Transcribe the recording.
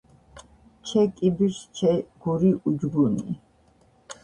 ჩე კიბირს ჩე გური უჯგუნი